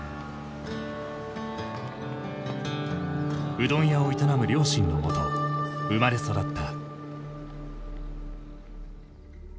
うどん屋を営む両親のもと生まれ育った。